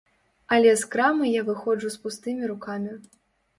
Але з крамы я выходжу з пустымі рукамі.